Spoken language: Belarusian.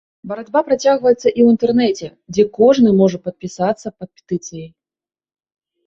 Барацьба працягваецца і ў інтэрнэце, дзе кожны можа падпісацца пад петыцыяй.